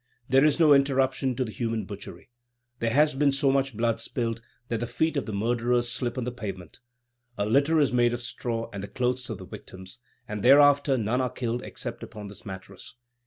There is no interruption to the human butchery. There has been so much blood spilled that the feet of the murderers slip on the pavement. A litter is made of straw and the clothes of the victims, and thereafter none are killed except upon this mattress.